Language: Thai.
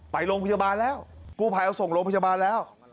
ไปโรงพยาบาลแล้วกู้ภัยเอาส่งโรงพยาบาลแล้ว